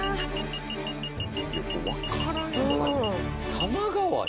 様変わり？